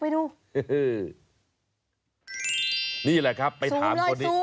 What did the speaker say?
ซูม